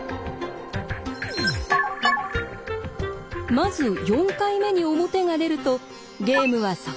まず４回目に表が出るとゲームはそこで終了します。